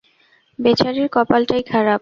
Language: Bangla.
বেচারির কপালটাই খারাপ।